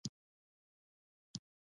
نو د يوه یې باد پرې شو او نورو پرې ونه خندل.